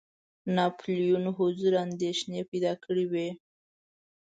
ناپولیون حضور اندېښنې پیدا کړي وې.